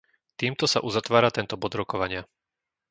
Týmto sa uzatvára tento bod rokovania.